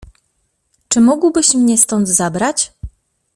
"Czy mógłbyś mnie stąd zabrać?"